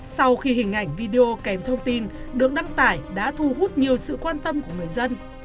sau khi hình ảnh video kèm thông tin được đăng tải đã thu hút nhiều sự quan tâm của người dân